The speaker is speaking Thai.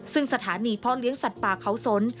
ซึ่งสถานีพ่อเลี้ยงสัตว์ป่าเขาสน